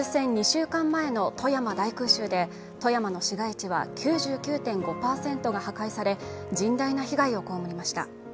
２週間前の富山大空襲で富山の市街地は９９．５％が破壊され甚大な被害を被りました